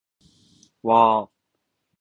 わー